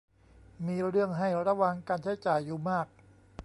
มีเรื่องให้ระวังการใช้จ่ายอยู่มาก